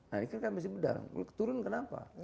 nah ini kan mesti beda turun kenapa